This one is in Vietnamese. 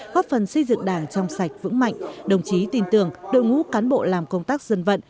góp phần xây dựng đảng trong sạch vững mạnh đồng chí tin tưởng đội ngũ cán bộ làm công tác dân vận